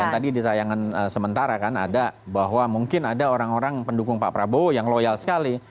tadi di tayangan sementara kan ada bahwa mungkin ada orang orang pendukung pak prabowo yang loyal sekali